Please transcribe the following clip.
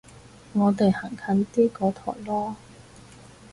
我哋行近啲個台囉